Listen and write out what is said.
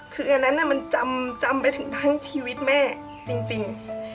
คืออันนั้นมันจำไปถึงทั้งชีวิตแม่จริง